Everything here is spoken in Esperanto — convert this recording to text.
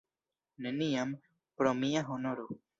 Neniam, pro mia honoro!